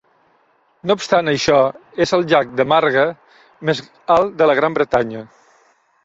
No obstant això, és el llac de marga més alt de la Gran Bretanya.